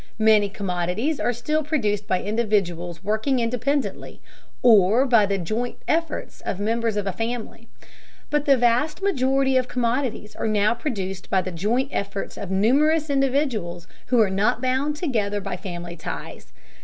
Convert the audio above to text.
Many commodities are still produced by individuals working independently, or by the joint efforts of the members of a family, but the vast majority of commodities are now produced by the joint efforts of numerous individuals who are not bound together by family ties.